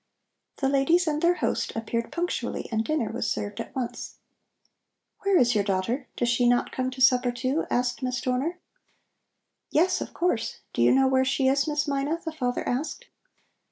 The ladies and their host appeared punctually and dinner was served at once. "Where is your daughter? Does she not come to supper, too?" asked Miss Dorner. "Yes, of course. Do you know where she is, Miss Mina?" the father asked.